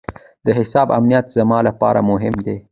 د حساب امنیت زما لپاره مهم دی.